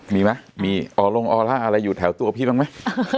มีมั้ยมีออกลงออล่าอะไรอยู่แถวตัวพี่บ้างมั้ย